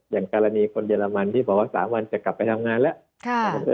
อย่างกรณีคนเยอรมันที่บอกว่า๓วันจะกลับไปทำงานแล้ว